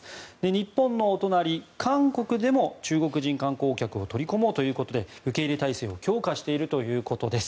日本のお隣、韓国でも中国人観光客を取り込もうということで受け入れ態勢を強化しているということです。